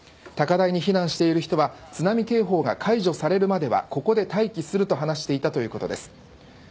高台に避難している人は津波警報が解除されるまではここで待機すると話していたということです。